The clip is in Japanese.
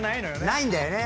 ないんだよね。